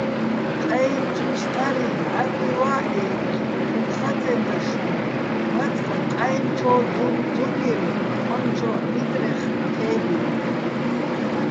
"ყაჲნჩო̆ ფსტარიჼ მჵაჸუჲვა́ ე́ბწო̆," - ხუმ ხაწენდა შუჼ, მაწყ ყაჲნჩო́ ძუნგძუნგევ ყონჩო́ ჺიტრეხ თე́ბლოდო̆.